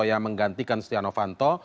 yang menggantikan setia novanto